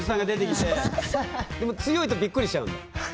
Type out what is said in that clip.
でも強いとびっくりしちゃうんだ。